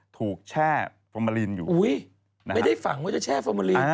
ถูกแช่ฟอร์มอลินอยู่นะครับอุ๊ยไม่ได้ฝังว่าจะแช่ฟอร์มอลิน